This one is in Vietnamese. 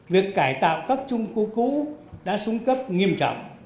việc cải tạo các trung cư cũ đã súng cấp nghiêm trọng